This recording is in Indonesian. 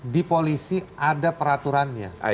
di polisi ada peraturannya